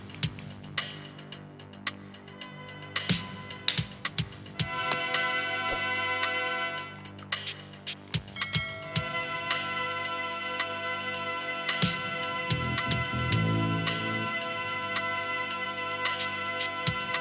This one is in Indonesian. aku ingin kamu mencari dia